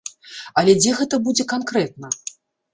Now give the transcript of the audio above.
Але дзе гэта будзе канкрэтна?